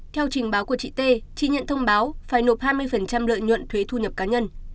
theo trình báo của chị t chị nhận thông báo phải nộp hai mươi lợi nhuận thuế thu nhập cá nhân